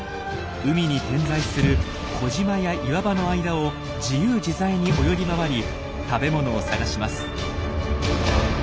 海に点在する小島や岩場の間を自由自在に泳ぎ回り食べ物を探します。